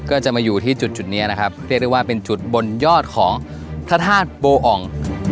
ก็จะมาอยู่ที่จุดจุดนี้นะครับเรียกได้ว่าเป็นจุดบนยอดของพระธาตุโบอ่อง